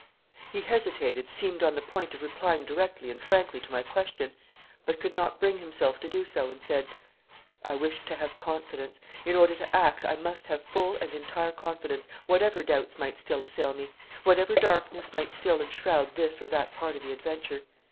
He hesitated, seemed on the point of replying directly and frankly to my question, but could not bring himself to do so, and said: "I wished to have confidence. In order to act, I must have full and entire confidence, whatever doubts might still assail me, whatever darkness might still enshroud this or that part of the adventure.